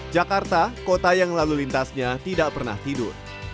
jakarta kota yang lalu lintasnya tidak pernah tidur